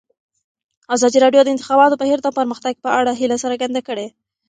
ازادي راډیو د د انتخاباتو بهیر د پرمختګ په اړه هیله څرګنده کړې.